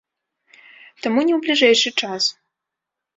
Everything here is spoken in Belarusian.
Таму не ў бліжэйшы час.